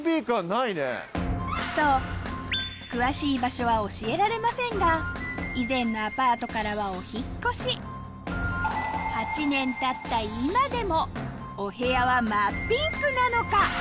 そう詳しい場所は教えられませんが以前のアパートからはお引っ越し８年たった今でもお部屋は真っピンクなのか？